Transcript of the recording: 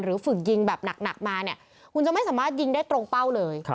ฝึกยิงแบบหนักมาเนี่ยคุณจะไม่สามารถยิงได้ตรงเป้าเลย